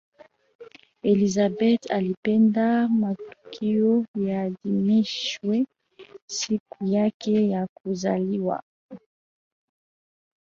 elizabeth alipenda matukio yaadhimishwe siku yake ya kuzaliwa